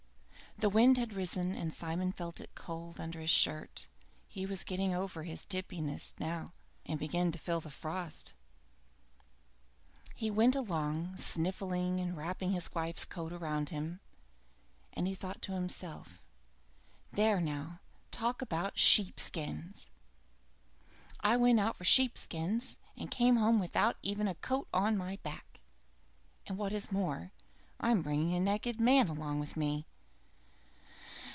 The wind had risen and Simon felt it cold under his shirt. He was getting over his tipsiness by now, and began to feel the frost. He went along sniffling and wrapping his wife's coat round him, and he thought to himself: "There now talk about sheep skins! I went out for sheep skins and come home without even a coat to my back, and what is more, I'm bringing a naked man along with me.